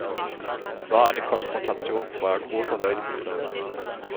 Er war eine Konfrontation zweier großer Weltbilder.